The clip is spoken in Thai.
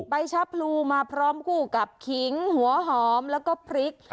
ใบชะพลูมาพร้อมคู่กับขิงหัวหอมแล้วก็พริก